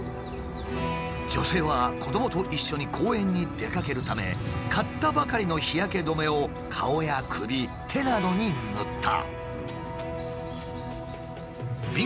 女性は子どもと一緒に公園に出かけるため買ったばかりの日焼け止めを顔や首手などに塗った。